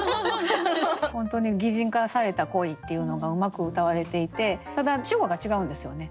本当に擬人化された恋っていうのがうまくうたわれていてただ主語が違うんですよね。